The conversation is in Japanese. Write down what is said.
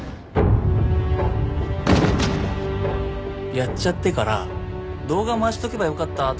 やっちゃってから動画回しとけばよかったと思って。